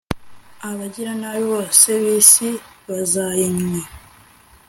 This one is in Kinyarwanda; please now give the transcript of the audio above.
abagiranabi bose b'isi bazayinywa